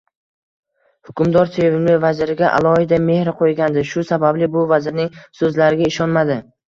Hukmdor sevimli vaziriga alohida mehr qoʻygandi, shu sababli bu vazirning soʻzlariga ishonmadi